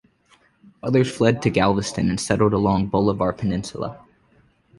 Others fled to Galveston and settled along Bolivar Peninsula.